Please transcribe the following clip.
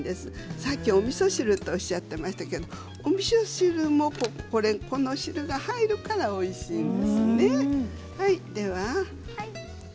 さっき、おみそ汁とおっしゃっていましたけど、おみそ汁もこの汁が入るからおいしいんですよね。